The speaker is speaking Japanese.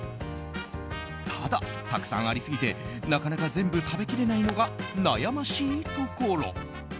ただ、たくさんありすぎてなかなか全部食べ切れないのが悩ましいところ。